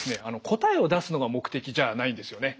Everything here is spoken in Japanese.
答えを出すのが目的じゃないんですよね。